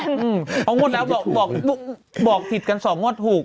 เพราะงวดแล้วบอกผิดกัน๒งวดถูก